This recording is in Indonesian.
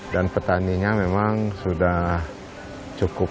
dan petaninya memang sudah cukup luas